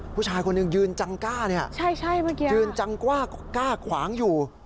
ผู้ชายคนหนึ่งยืนจังกล้ายืนจังกว้าก็กล้าขวางอยู่